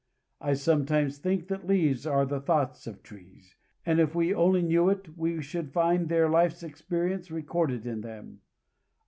I sometimes think that leaves are the thoughts of trees, and that if we only knew it, we should find their life's experience recorded in them.